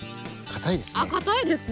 あかたいですね！